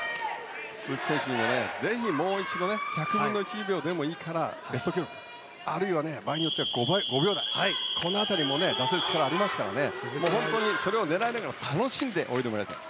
鈴木選手にも、もう一度１００分の１秒でもいいからベスト記録あるいは場合によっては５秒台この辺りを出せる力がありますからそれを狙いながら楽しんで泳いでもらいたい。